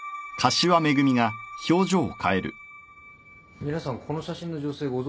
皆さんこの写真の女性ご存じなんですか？